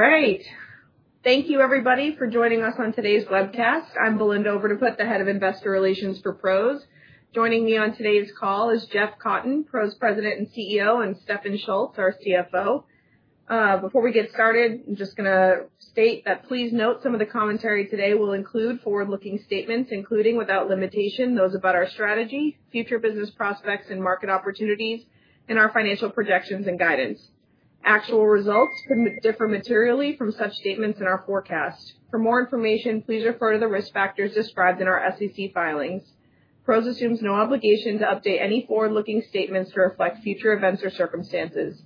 All right, thank you everybody for joining us on today's webcast. I'm Belinda Overdeput, the Head of Investor Relations for PROS. Joining me on today's call is Jeff Cotten, PROS President and CEO, and Stefan Schulz, our CFO. Before we get started, I'm just going to state that please note some of the commentary today will include forward-looking statements, including without limitation, those about our strategy, future business prospects and market opportunities in our financial projections and guidance. Actual results could differ materially from such statements in our forecast. For more information, please refer to the risk factors described in our SEC filings. PROS assumes no obligation to update any forward-looking statements to reflect future events or circumstances.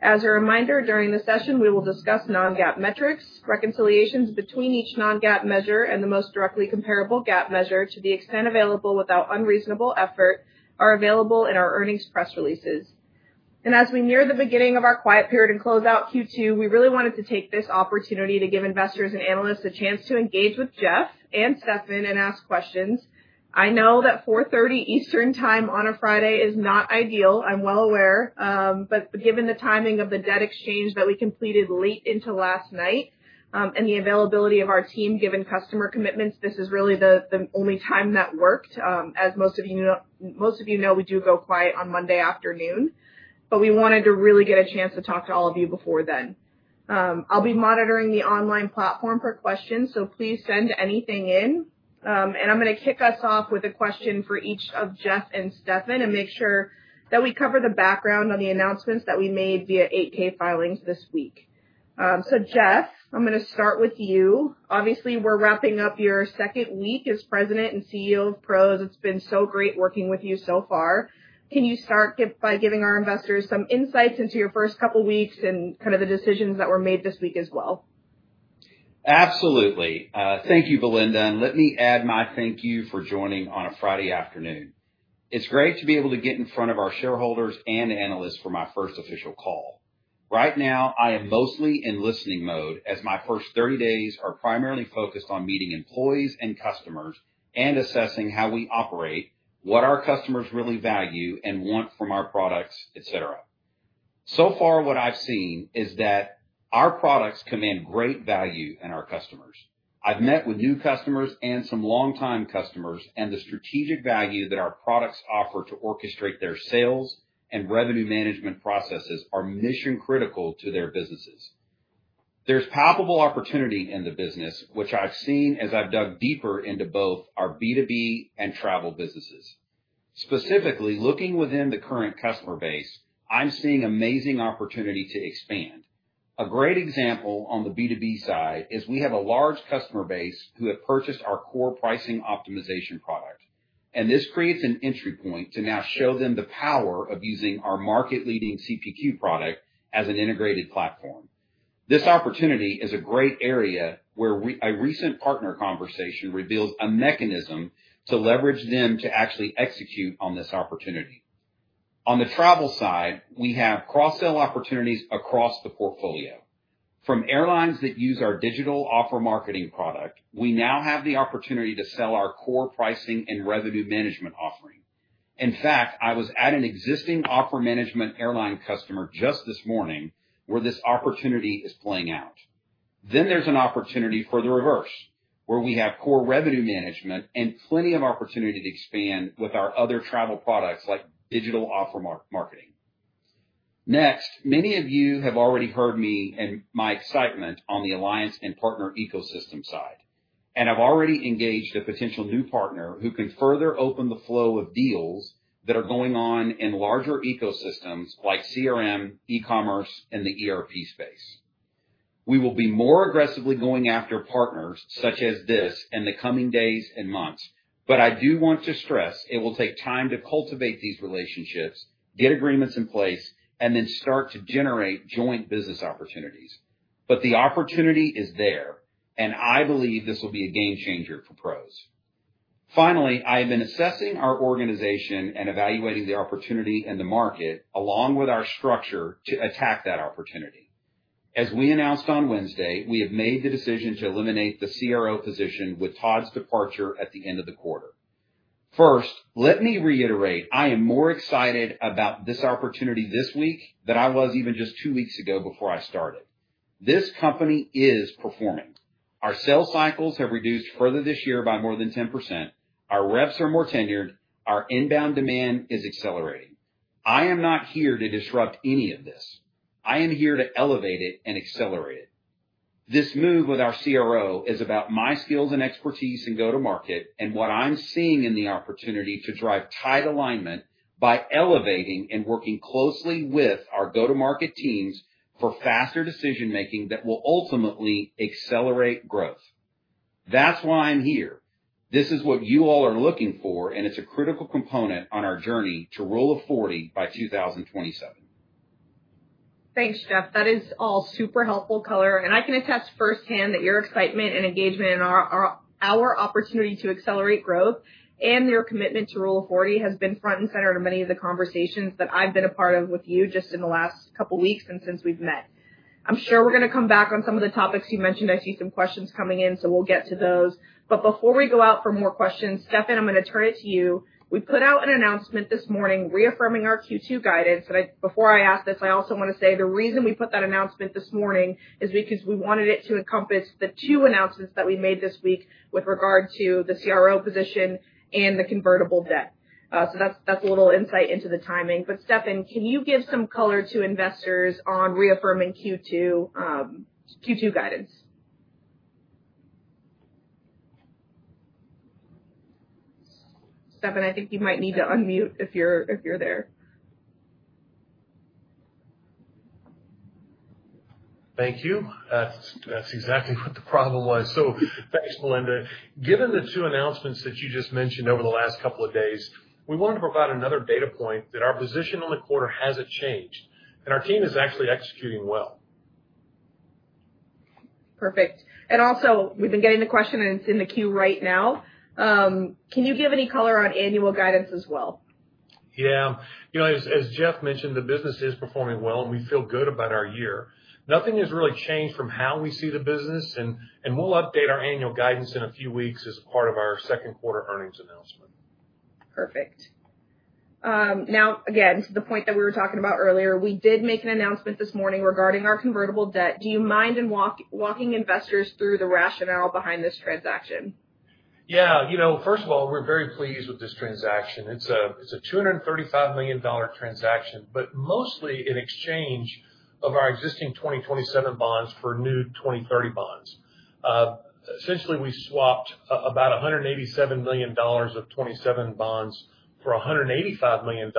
As a reminder, during the session we will discuss non-GAAP metrics. Reconciliations between each non-GAAP measure and the most directly comparable GAAP measure, to the extent available without unreasonable effort, are available in our earnings press releases. As we near the beginning of our quiet period and close out Q2, we really wanted to take this opportunity to give investors and analysts a chance to engage with Jeff and Stefan and ask questions. I know that 4:30 P.M. Eastern Time on a Friday is not ideal, I'm well aware, but given the timing of the debt exchange that we completed late into last night and the availability of our team given customer commitments, this is really the only time that worked. As most of you know, we do go quiet on Monday afternoon, but we wanted to really get a chance to talk to all of you before then. I'll be monitoring the online platform for questions, so please send anything in and I'm going to kick us off with a question for each of Jeff and Stefan and make sure that we cover the background on the announcements that we made via 8K filings this week. Jeff, I'm going to start with you. Obviously we're wrapping up your second week as President and CEO of PROS. It's been so great working with you so far. Can you start by giving our investors some insights into your first couple weeks and kind of the decisions that were made this week as well? Absolutely. Thank you, Belinda. Let me add my thank you for joining on a Friday afternoon. It is great to be able to get in front of our shareholders and analysts for my first official call. Right now I am mostly in listening mode as my first 30 days are primarily focused on meeting employees and customers and assessing how we operate, what our customers really value and want from our products, et cetera. So far what I have seen is that our products command great value in our customers. I have met with new customers and some long time customers, and the strategic value that our products offer to orchestrate their sales and revenue management processes are mission critical to their businesses. There is palpable opportunity in the business, which I have seen as I have dug deeper into both our B2B and travel businesses. Specifically looking within the current customer base, I'm seeing amazing opportunity to expand. A great example on the B2B side is we have a large customer base who have purchased our core Pricing Optimization product, and this creates an entry point to now show them the power of using our market leading CPQ product as an integrated platform. This opportunity is a great area where a recent partner conversation reveals a mechanism to leverage them to actually execute on this opportunity. On the travel side, we have cross sell opportunities across the portfolio from airlines that use our Digital Offer Marketing product. We now have the opportunity to sell our core Pricing and Revenue Management offering. In fact, I was at an existing offer management airline customer just this morning where this opportunity is playing out. There is an opportunity for the reverse where we have core revenue management and plenty of opportunity to expand with our other travel products like Digital Offer Marketing. Next, many of you have already heard me and my excitement on the alliance and partner ecosystem side, and I have already engaged a potential new partner who can further open the flow of deals that are going on in larger ecosystems like CRM, e-commerce, and the ERP space. We will be more aggressively going after partners such as this in the coming days and months. I do want to stress it will take time to cultivate these relationships, get agreements in place, and then start to generate joint business opportunities. The opportunity is there, and I believe this will be a game changer for PROS. Finally, I have been assessing our organization and evaluating the opportunity in the market along with our structure to attack that opportunity. As we announced on Wednesday, we have made the decision to eliminate the CRO position with Todd's departure at the end of the quarter. First, let me reiterate I am more excited about this opportunity this week than I was even just two weeks ago before I started. This company is performing. Our sales cycles have reduced further this year by more than 10%. Our reps are more tenured, our inbound demand is accelerating. I am not here to disrupt any of this. I am here to elevate it and accelerate it. This move with our CRO is about my skills and expertise in go to market and what I'm seeing in the opportunity to drive tight alignment by elevating and working closely with our go to market teams for faster decision making that will ultimately accelerate growth. That's why I'm here. This is what you all are looking for and it's a critical component on our journey to rule of 40 by 2027. Thanks, Jeff. That is all super helpful color. I can attest firsthand that your excitement and engagement in our opportunity to accelerate growth and your commitment to rule of 40 has been front and center in many of the conversations that I've been a part of with you just in the last couple weeks. Since we've met, I'm sure we're going to come back on some of the topics you mentioned. I see some questions coming in, so we'll get to those. Before we go out for more questions, Stefan, I'm going to turn it to you. We put out an announcement this morning reaffirming our Q2 guidance. Before I ask this, I also want to say the reason we put that announcement this morning is because we wanted it to encompass the two announcements that we made this week with regard to the CRO position and the convertible debt. That is a little insight into the timing. Stefan, can you give some color to investors on reaffirming Q2 guidance? Stefan, I think you might need to unmute if you're there. Thank you. That's exactly what the problem was. Thanks, Belinda. Given the two announcements that you just mentioned over the last couple of days, we wanted to provide another data point that our position on the quarter hasn't changed and our team is actually executing well. Perfect. Also, we've been getting the question and it's in the queue right now. Can you give any color on annual guidance as well? Yeah. You know, as Jeff mentioned, the business is performing well and we feel good about our year. Nothing has really changed from how we see the business. We will update our annual guidance in a few weeks as part of our second quarter earnings announcement. Perfect. Now, again, to the point that we were talking about earlier, we did make an announcement this morning regarding our convertible debt. Do you mind walking investors through the rationale behind this transaction? Yeah, you know, first of all, we're very pleased with this transaction. It's a $235 million transaction, but mostly in exchange of our existing 2027 bonds for new 2030 bonds. Essentially, we swapped about $187 million of 27 bonds for $185 million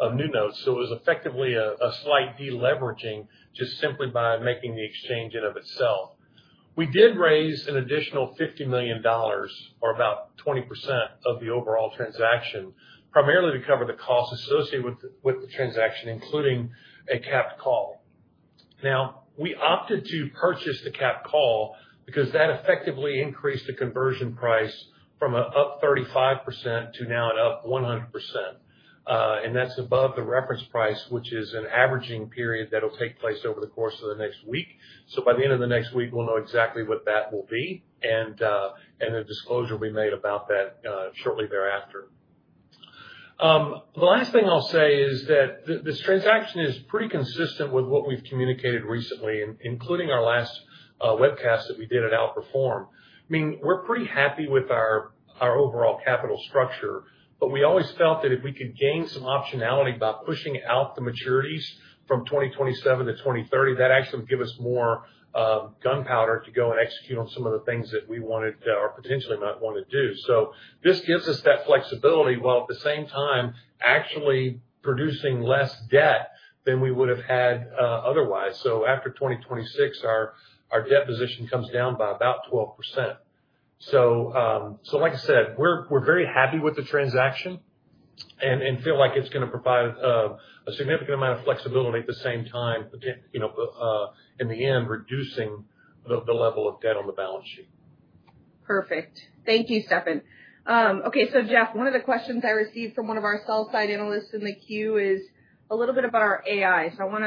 of new notes. So it was effectively a slight deleveraging just simply by making the exchange in of itself, we did raise an additional $50 million, or about 20% of the overall transaction, primarily to cover the costs associated with the transaction, including a capped call. Now, we opted to purchase the capped call because that effectively increased the conversion price from up 35% to now an up 100%. And that's above the reference price, which is an averaging period that will take place over the course of the next week. By the end of the next. Week we'll know exactly what that will be and a disclosure will be made about that shortly thereafter. The last thing I'll say is that this transaction is pretty consistent with what we've communicated recently, including our last webcast that we did at Outperform. I mean, we're pretty happy with our overall capital structure, but we always felt that if we could gain some optionality by pushing out the maturities from 2027 to 2030, that actually would give us more gunpowder to go and execute on some of the things that we wanted or potentially might want to do. This gives us that flexibility while at the same time actually producing less debt than we would have had otherwise. After 2026, our debt position comes down by about 12%. Like I said, we're very happy with the transaction and feel like it's going to provide a significant amount of flexibility. At the same time, in the end, reducing the level of debt on the balance sheet. Perfect. Thank you, Stefan. Okay, so Jeff, one of the questions I received from one of our sell side analysts in the queue is a little bit about our AI. I want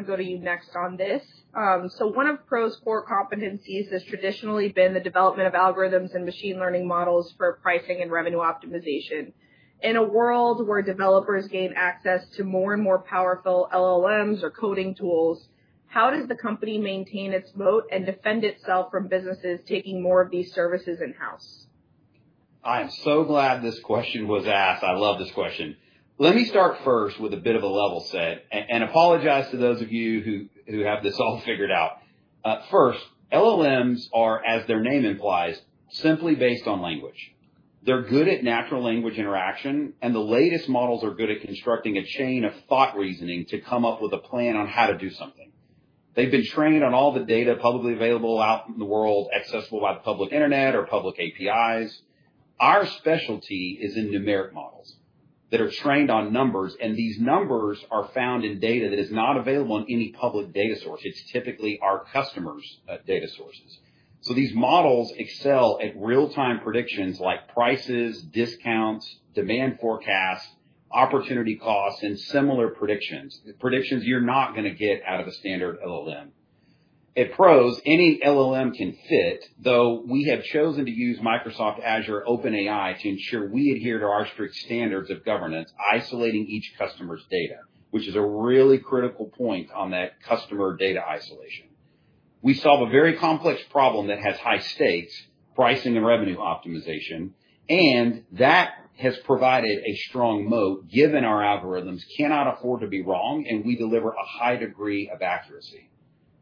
to go to you next on this. One of PROS' core competencies has traditionally been the development of algorithms and machine learning models for pricing and revenue optimization. In a world where developers gain access to more and more powerful LLMs or coding tools, how does the company maintain its moat and defend itself from businesses taking more of these services in house? I am so glad this question was asked. I love this question. Let me start first with a bit of a level set and apologize to those of you who have this all figured out first. LLMs are, as their name implies, simply based on language. They're good at natural language interaction and the latest models are good at constructing a chain of thought reasoning to come up with a plan on how to do something. They've been trained on all the data publicly available out in the world, accessible by the public Internet or public APIs. Our specialty is in numeric models that are trained on numbers and these numbers are found in data that is not available in any public data source. It's typically our customers' data sources. These models excel at real time predictions like prices, discounts, demand forecasts, opportunity costs and similar predictions. Predictions you're not going to get out of a standard LLM. At PROS, any LLM can fit, though we have chosen to use Microsoft Azure OpenAI to ensure we adhere to our strict standards of governance. Isolating each customer's data, which is a really critical point on that customer data isolation. We solve a very complex problem that has high stakes pricing and revenue optimization and that has provided a strong moat given our algorithms cannot afford to be wrong and we deliver a high degree of accuracy.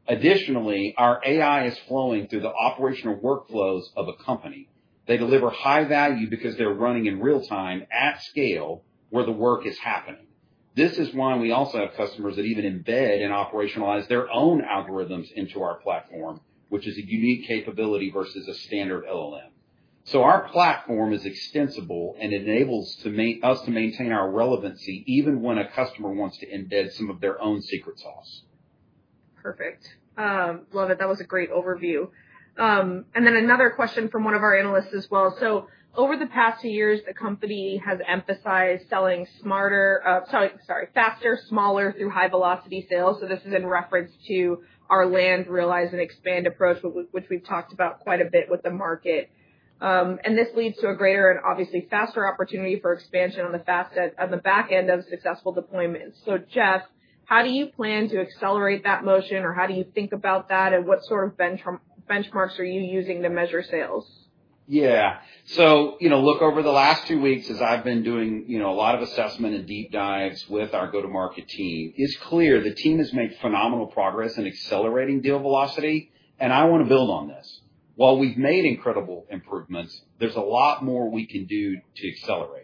Additionally, our AI is flowing through the operational workflows of a company. They deliver high value because they're running in real time at scale where the work is happening. This is why we also have customers that even embed and operationalize their own algorithms into our platform, which is a unique capability versus a standard LLM. Our platform is extensible and enables us to maintain our relevancy even when a customer wants to embed some of their own secret sauce. Perfect. Love it. That was a great overview. Another question from one of our analysts as well. Over the past few years the company has emphasized selling smarter. Sorry, faster, smaller through high velocity sales. This is in reference to our land, realize, and expand approach which we've talked about quite a bit with the market. This leads to a greater and obviously faster opportunity for expansion on the back end of successful deployments. Jeff, how do you plan to accelerate that motion or how do you think about that and what sort of benchmarks are you using to measure sales? Yeah, so you know, look, over the last few weeks as I've been doing, you know, a lot of assessment and deep dives with our go-to-market team, it's clear the team has made phenomenal progress in accelerating deal velocity and I want to build on this. While we've made incredible improvements, there's a lot more we can do to accelerate.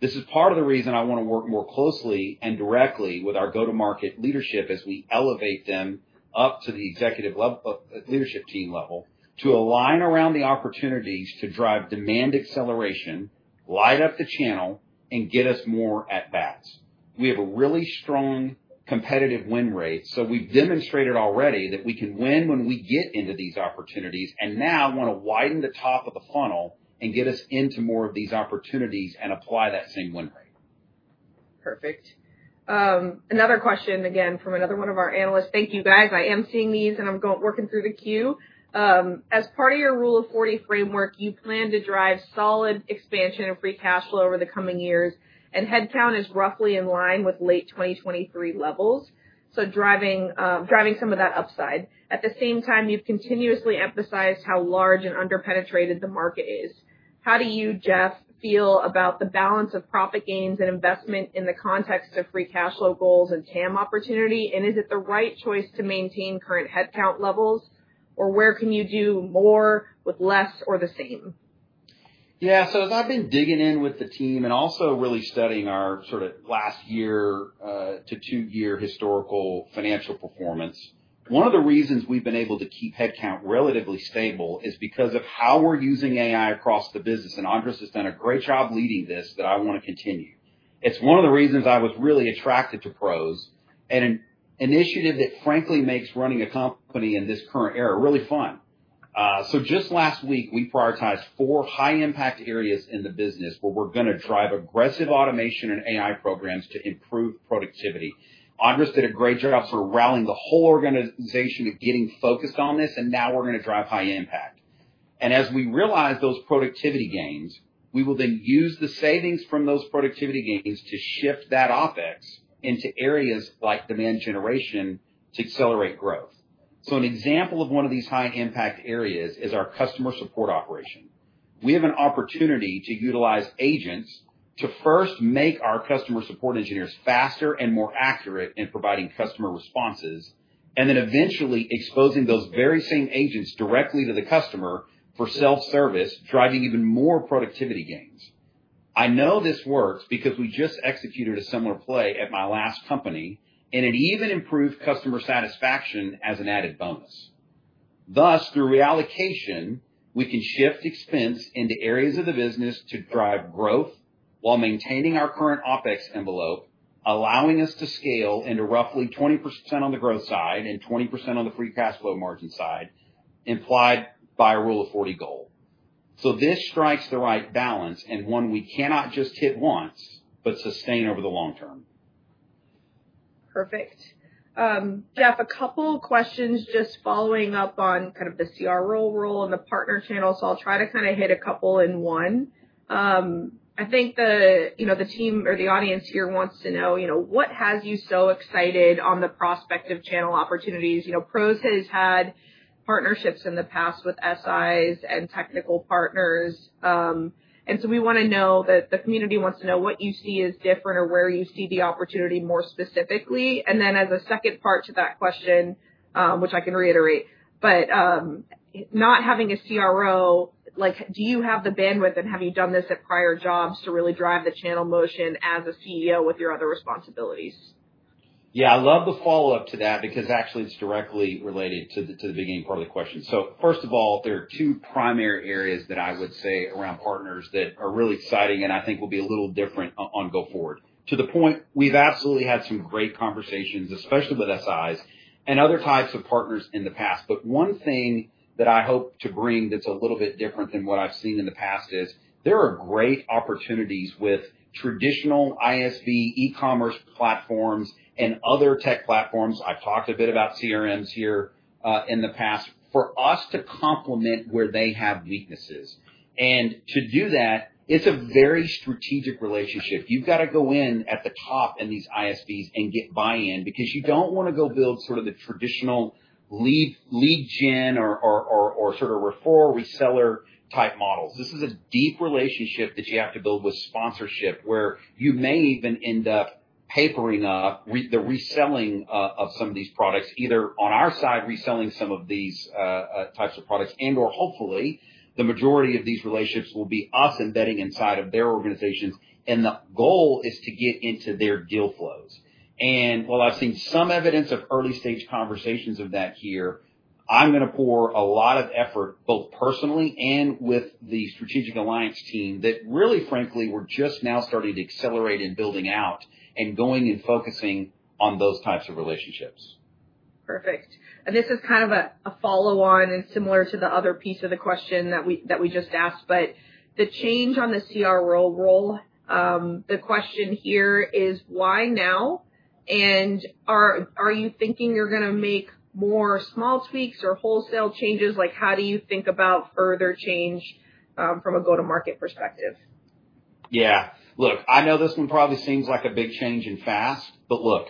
This is part of the reason I want to work more closely and directly with our go-to-market leadership as we elevate them up to the executive level, leadership team level to align around the opportunities to drive demand acceleration, light up the channel, and get us more at bats. We have a really strong competitive win rate. We've demonstrated already that we can win when we get into these opportunities and now want to widen the top of the funnel and get us into more of these opportunities and apply that same win rate. Perfect. Another question again from another one of our analysts. Thank you guys. I am seeing these and I'm working through the queue. As part of your Rule of 40 framework, you plan to drive solid expansion of free cash flow over the coming years. Headcount is roughly in line with late 2023 levels, so driving some of that upside. At the same time, you've continuously emphasized how large and underpenetrated the market is. How do you, Jeff, feel about the balance of profit gains and investment in the context of free cash flow goals and TAM opportunity? Is it the right choice to maintain current headcount levels or where can you do more with less or the same? Yeah. As I've been digging in with the team and also really studying our sort of last year to two year historical financial performance, one of the reasons we've been able to keep headcount relatively stable is because of how we're using AI across the business. Andres has done a great job leading this that I want to continue. It's one of the reasons I was really attracted to PROS and an initiative that frankly makes running a company in this current era really fun. Just last week we prioritized four high impact areas in the business where we're going to drive aggressive automation and AI programs to improve productivity. Andres did a great job sort of rallying the whole organization to getting focused on this and now we're going to drive high impact and as we realize those productivity gains, we will then use the savings from those productivity gains to shift that OpEx into areas like demand generation and to accelerate growth. An example of one of these high impact areas is our customer support operation. We have an opportunity to utilize agents to first make our customer support engineers faster and more accurate in providing customer responses and then eventually exposing those very same agents directly to the customer for self service, driving even more productivity gains. I know this works because we just executed a similar play at my last company and it even improved customer satisfaction as an added bonus. Thus through reallocation we can shift expense into areas of the business to drive growth while maintaining our current OpEx envelope, allowing us to scale into roughly 20% on the growth side and 20% on the free cash flow margin side implied by a Rule of 40 goal. This strikes the right balance and one we cannot just hit once but sustain over the long-term. Perfect. Jeff, a couple questions. Just following up on kind of the CRO role and the partner channel. I'll try to kind of hit a couple in one. I think the, you know, the team or the audience here wants to know, you know, what has you so excited on the prospect of channel opportunities. You know, PROS has had partnerships in the past with SIs and technical partners and so we want to know that the community wants to know what you see is different or where you see the opportunity more specifically. And then as a second part to that question, which I can reiterate, but not having a CRO like do you have the bandwidth and have you done this at prior jobs to really drive the channel motion as a CEO with your other responsibilities? Yeah, I love the follow up to that because actually it's directly related to the beginning part of the question. First of all, there are two primary areas that I would say around partners that are really exciting I think will be a little different on go forward to the point. We've absolutely had some great conversations especially with SIs and other types of partners in the past. One thing that I hope to bring that's a little bit different than what I've seen in the past is there are great opportunities with traditional ISVs, e-commerce platforms, and other tech platforms. I've talked a bit about CRMs here in the past. For us to complement where they have weaknesses and to do that it's a very strategic relationship. You've got to go in at the top in these ISVs and get buy-in because you don't want to go build sort of the traditional lead gen or sort of referral reseller type models. This is a deep relationship that you have to build with sponsorship where you may even end up papering up the reselling of some of these products either on our side reselling some of these types of products and or hopefully the majority of these relationships will be us embedding inside of their organizations. The goal is to get into their deal flows. While I've seen some evidence of early stage conversations of that here, I'm going to pour a lot of effort both personally and with the strategic alliance team that really, frankly, we're just now starting to accelerate and building out and going and focusing on those types of relationships. Perfect. This is kind of a follow on and similar to the other piece of the question that we just asked. The change on the CRO role, the question here is why now? Are you thinking you're going to make more small tweaks or wholesale changes? How do you think about further change from a go to market perspective? Yeah, look, I know this one probably seems like a big change and fast, but look,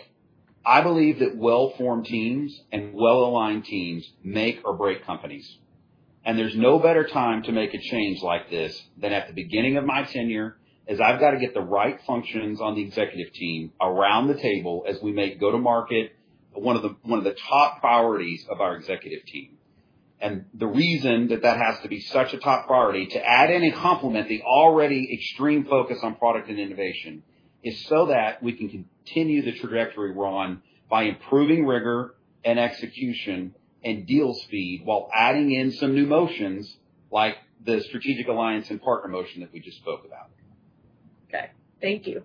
I believe that well-formed teams and well-aligned teams make or break companies, and there's no better time to make a change like this than at the beginning of my tenure as I've got to get the right functions on the executive team around the table as we make go to market. One of the top priorities of our executive team, and the reason that that has to be such a top priority to add in and complement the already extreme focus on product and innovation, is so that we can continue the trajectory we're on by improving rigor and execution and deal speed while adding in some new motions like the strategic alliance and partner motion that we just spoke about. Okay, thank you.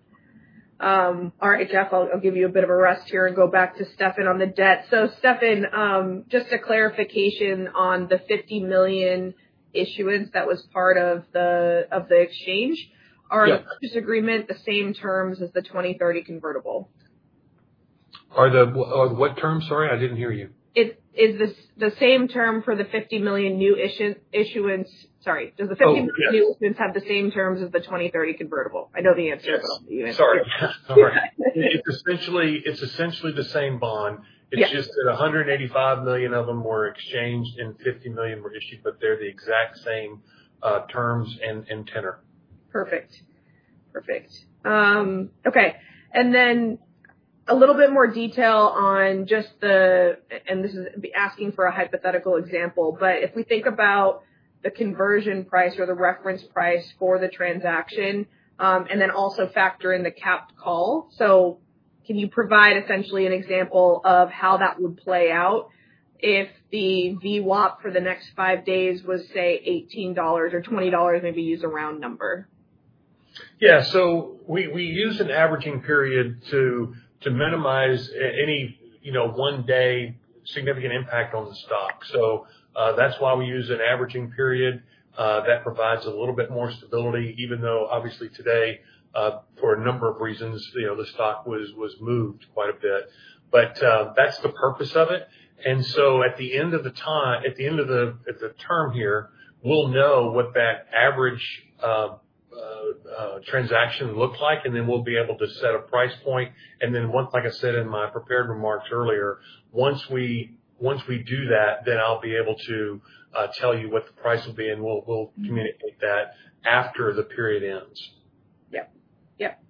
All right, Jeff, I'll give you a bit of a rest here and go back to Stefan on the debt. So Stefan, just a clarification on the $50 million issuance that was part of the, of the exchange, our agreement the same terms as the 2030 convertible? Are the what term? Sorry, I didn't hear you. It is the same term for the $50 million new issuance. Sorry, does the $50 million have the same terms as the 2030 convertible? I know the answer. Sorry. It's essentially the same bond. It's just that $185 million of them were exchanged and $50 million were issued. They're the exact same terms and tenor. Perfect. Perfect. Okay. And then a little bit more detail on just the, and this is asking for a hypothetical example, but if we think about the conversion price or the reference price for the transaction, and then also factor in the capped call. Can you provide essentially an example of how that would play out if the VWAP for the next five days was say $18 or $20? Maybe use a round number. Yeah. We use an averaging period to minimize any one day significant impact on the stock. That is why we use an averaging period that provides a little bit more stability. Even though obviously today for a number of reasons, the stock was moved quite a bit. That is the purpose of it. At the end of the term here, we will know what that average transaction looks like and then we will be able to set a price point. Like I said in my prepared remarks earlier, once we do that, then I will be able to tell you what the price will be and we will communicate that after the period ends. Yep, yep.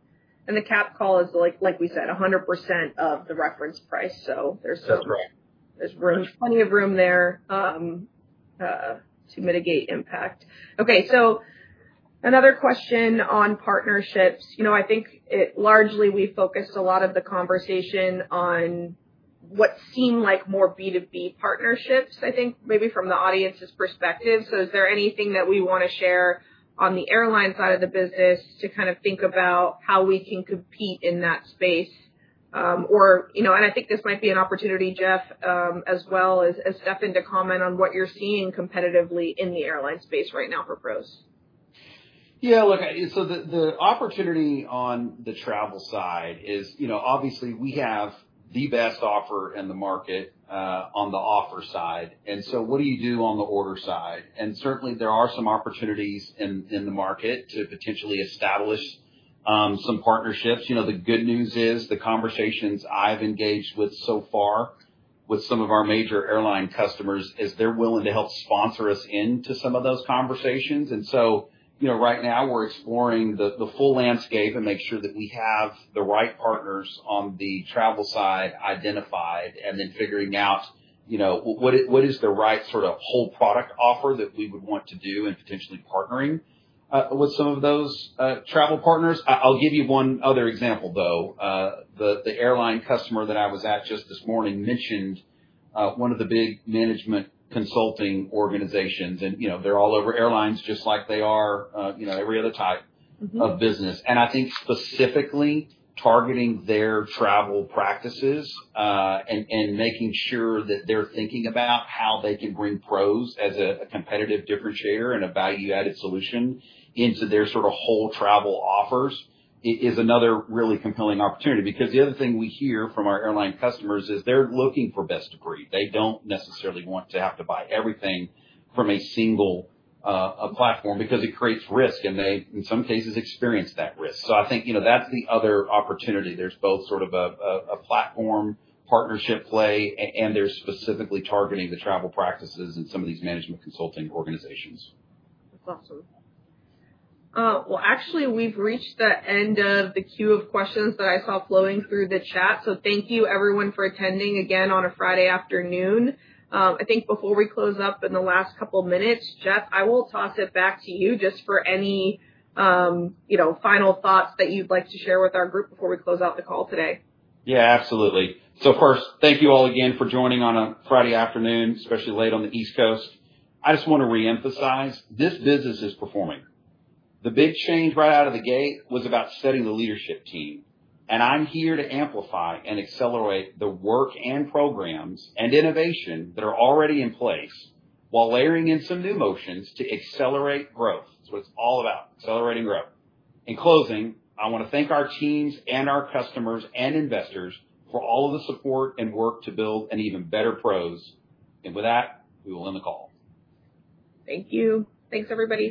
The cap call is like, like we said, 100% of the reference price. That's right. There's room, plenty of room there to mitigate impact. Okay, another question on partnerships, you know, I think largely we focused a lot of the conversation on what seemed like more B2B partnerships, I think maybe from the audience's perspective. Is there anything that we want to share on the airline side of the business to kind of think about how we can compete in that space or, you know, and I think this might be an opportunity, Jeff, as well as Stefan, to comment on what you're seeing competitively in the airline space right now for PROS. Yeah, look, so the opportunity on the travel side is, you know, obviously we have the best offer in the market on the offer side. And so what do you do on the order side? Certainly there are some opportunities in the market to potentially establish some partnerships. You know, the good news is the conversations I've engaged with so far with some of our major airline customers is they're willing to help sponsor us into some of those conversations. You know, right now we're exploring the full landscape and make sure that we have the right partners on the travel side identified and then figuring out, you know, what is the right sort of whole product offer that we would want to do and potentially partnering with with some of those travel partners. I'll give you one other example, though. The airline customer that I was at just this morning mentioned one of the big management consulting organizations. You know, they're all over airlines just like they are, you know, every other type of business. I think specifically targeting their travel practices and making sure that they're thinking about how they can bring PROS as a competitive differentiator and a value-added solution into their sort of whole travel offers is another really compelling opportunity. The other thing we hear from our airline customers is they're looking for best of breed. They don't necessarily want to have to buy everything from a single platform because it creates risk and they in some cases experience that risk. I think, you know, that's the other opportunity. There's both sort of a platform partnership play and they're specifically targeting the travel practices and some of these management consulting organizations. That's awesome. Actually, we've reached the end of the queue of questions that I saw flowing through the chat. Thank you everyone for attending again on a Friday afternoon. I think before we close up in the last couple minutes, Jeff, I will toss it back to you just for any final thoughts that you'd like to share with our group before we close out the call today. Yeah, absolutely. First, thank you all again for joining on a Friday afternoon, especially late on the East Coast. I just want to reemphasize this business is performing. The big change right out of the gate was about setting the leadership team. I am here to amplify and accelerate the work and programs and innovation that are already in place, while layering in some new motions to accelerate growth. That is what it is all about, accelerating growth. In closing, I want to thank our teams and our customers and investors for all of the support and work to build an even better PROS. With that, we will end the call. Thank you. Thanks everybody.